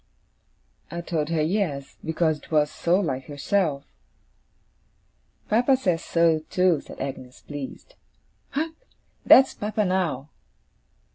I told her yes, because it was so like herself. 'Papa says so, too,' said Agnes, pleased. 'Hark! That's papa now!